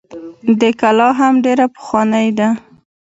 دا کلا هم ډيره پخوانۍ ده